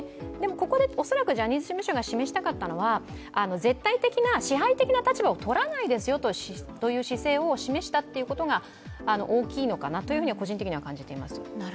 ここで恐らくジャニーズ事務所が示したかったのは、絶対的な支配的な立場を取らないですよという姿勢を示したということが大きいのかなと個人的には感じています。